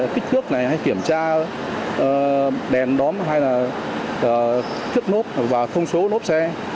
kích thước này hay kiểm tra đèn đóm hay là kết nốt và thông số nốt xe